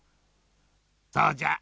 そうじゃ。